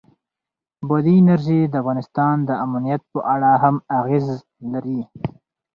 بادي انرژي د افغانستان د امنیت په اړه هم اغېز لري.